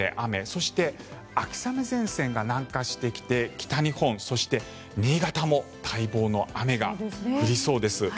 そして秋雨前線が南下してきて北日本、そして新潟も待望の雨が降りそうです。